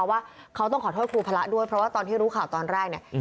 ว่าเขาต้องขอโทษครูพระด้วยเพราะว่าตอนที่รู้ข่าวตอนแรกเนี่ย